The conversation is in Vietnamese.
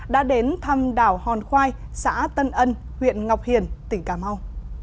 là đảo hòn khoai xã tân ân huyện ngọc hiền tỉnh cà mau